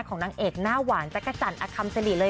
ของนางเอดหน้าหวานจักรจันอคัมเจรีย์เลย